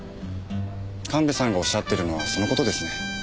神戸さんがおっしゃってるのはその事ですね。